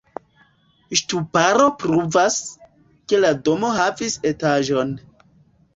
Ŝtuparo pruvas, ke la domo havis etaĝon.